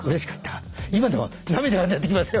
今でも涙が出てきますよ